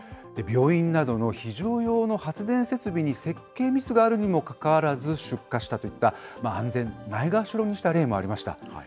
病院などの非常用の発電設備に設計ミスがあるにもかかわらず、出荷したといった、安全をないがしろにした例もありました。